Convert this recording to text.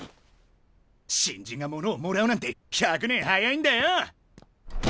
新人がものをもらうなんて百年早いんだよ！